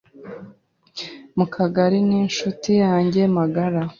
Mukakigali ni inshuti yanjye magara.